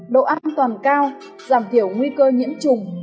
độ an toàn cao giảm thiểu nguy cơ nhiễm trùng